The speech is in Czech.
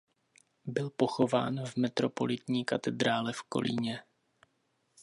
Byl pochován v metropolitní katedrále v Kolíně.